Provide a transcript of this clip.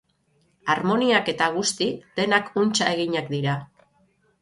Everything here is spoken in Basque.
Harmoniak eta guzti, denak untsa eginak dira.